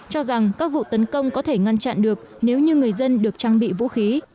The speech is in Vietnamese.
cho rằng các vụ tấn công có thể ngăn chặn được nếu như người dân được trang bị vũ khí